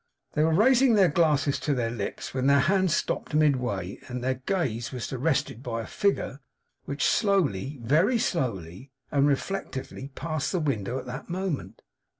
They were raising their glasses to their lips, when their hands stopped midway, and their gaze was arrested by a figure which slowly, very slowly, and reflectively, passed the window at that moment.